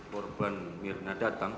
korban mirna datang